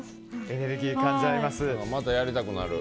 エネルギーを感じられます。